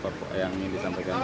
apa yang ditambahkan